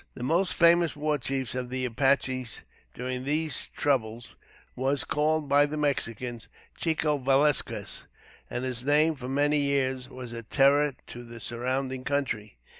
The most famous war chief of the Apaches, during these troubles, was called by the Mexicans Chico Velasques, and his name, for many years, was a terror to the surrounding country.